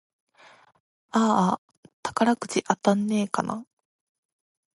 あーあ、宝くじ当たんねぇかな